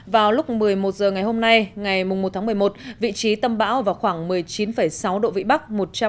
vào lúc một mươi một h ngày hôm nay ngày một tháng một mươi một vị trí tâm bão vào khoảng một mươi chín sáu độ vĩ bắc